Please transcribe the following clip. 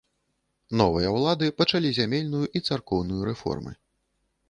Новыя ўлады пачалі зямельную і царкоўную рэформы.